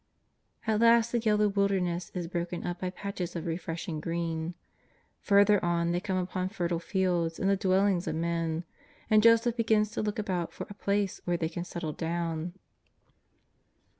At last the yellow wilderness is broken up by patches of refreshing green; further on they come upon fertile fields and the dwellings of men, and Joseph begins to look about for a place where they can settle down.